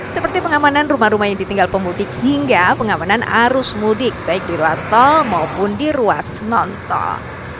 seperti pengamanan rumah rumah yang ditinggal pemudik hingga pengamanan arus mudik baik di ruas tol maupun di ruas non tol